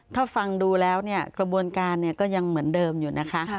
ถ้าฟังดูแล้วเนี่ยกระบวนการก็ยังเหมือนเดิมอยู่นะคะ